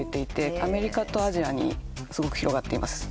アメリカとアジアにすごく広がっています。